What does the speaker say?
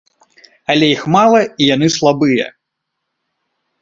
Але іх мала і яны слабыя.